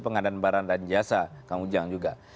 pengadaan barang dan jasa kang ujang juga